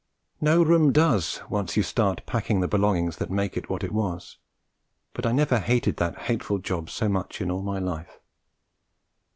No room does, once you start packing the belongings that made it what it was; but I never hated that hateful job so much in all my life.